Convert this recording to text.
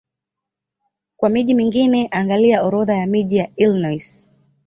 Kwa miji mingine angalia Orodha ya miji ya Illinois.